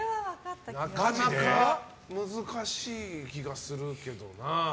なかなか難しい気がするけどな。